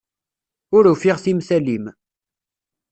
Ur ufiɣ timtal-im.